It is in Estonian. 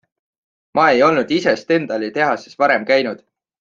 Ma ei olnud ise Stendali tehases varem käinud.